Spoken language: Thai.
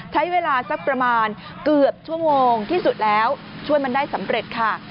ใช้เวลาสักประมาณเกือบชั่วโมงที่สุดแล้วช่วยมันได้สำเร็จค่ะ